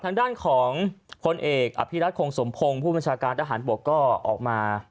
ทางด้านของพลเอกอภิรัตคงสมพงศ์ผู้บัญชาการทหารบกก็ออกมา